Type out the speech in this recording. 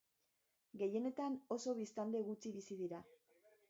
Gehienetan oso biztanle gutxi bizi dira.